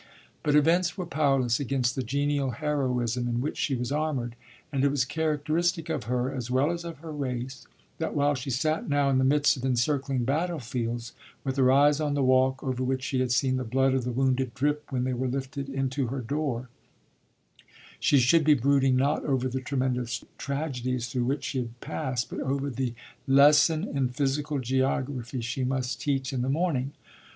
But events were powerless against the genial heroism in which she was armoured, and it was characteristic of her, as well as of her race, that, while she sat now in the midst of encircling battlefields, with her eyes on the walk over which she had seen the blood of the wounded drip when they were lifted into her door, she should be brooding not over the tremendous tragedies through which she had passed, but over the lesson in physical geography she must teach in the morning.